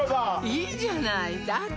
いいじゃないだって